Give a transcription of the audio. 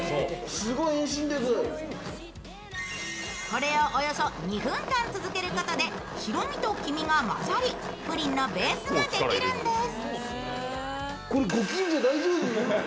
これをおよそ２分間続けることで白身と黄身が混ざりプリンのベースができるんです。